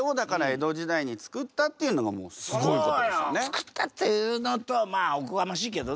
つくったっていうのとはまあおこがましいけどね。